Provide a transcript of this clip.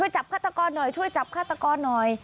ช่วยจับฆาตกรหน่อย